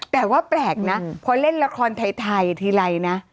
แต่ว่าแปลกนะพอเล่นละครไทยทีไรนะ